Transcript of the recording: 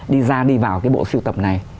đi ra đi vào cái bộ sưu tập này